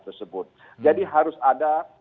tersebut jadi harus ada